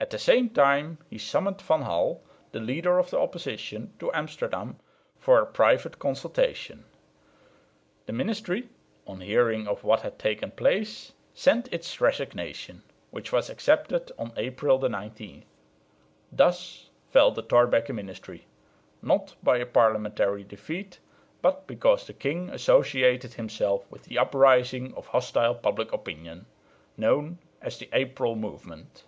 At the same time he summoned Van Hall, the leader of the opposition, to Amsterdam for a private consultation. The ministry, on hearing of what had taken place, sent its resignation, which was accepted on April 19. Thus fell the Thorbecke ministry, not by a parliamentary defeat, but because the king associated himself with the uprising of hostile public opinion, known as the "April Movement."